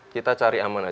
kita cari aman aja